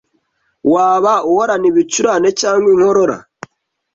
Waba uhorana ibicurane cyangwa inkorora